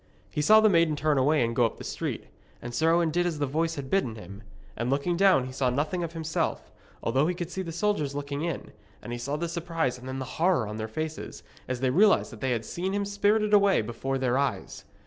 He saw the maiden turn away and go up the street, and Sir Owen did as the voice had bidden him. And looking down he saw nothing of himself, although he could see the soldiers looking in, and he saw the surprise and then the horror on their faces, as they realised that they had seen him spirited away before their eyes.